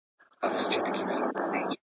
د هغه په فیصله دي کار سمېږي.